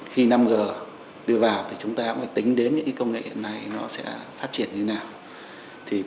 khi năm g đưa vào thì chúng ta cũng phải tính đến những công nghệ hiện nay nó sẽ phát triển như thế nào